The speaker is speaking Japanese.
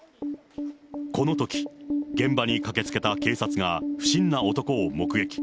このとき、現場に駆けつけた警察が不審な男を目撃。